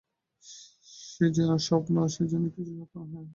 সে যেন স্বপ্ন, সে যেন কিছুই সত্য নহে।